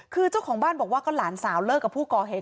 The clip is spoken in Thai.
คือเจ้าของบ้านบอกว่าก็หลานสาวเลิกกับผู้ก่อเหตุ